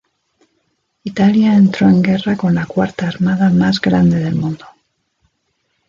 Italia entró en guerra con la cuarta armada más grande del mundo.